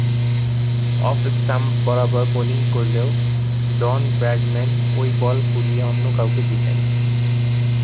Off stump বরাবর bowling করলেও Don Bradman ঐ বল কুড়িয়ে অন্য কাউকে দিতেন।